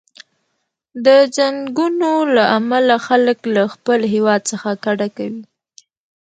د جنګونو له امله خلک له خپل هیواد څخه کډه کوي.